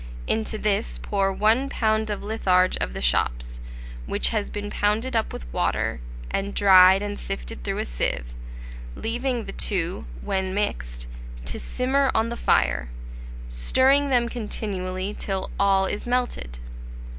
Into this pour 1 lb. of litharge of the shops, which has been pounded up with water, and dried and sifted through a sieve, leaving the two, when mixed, to simmer on the fire, stirring them continually till all is melted.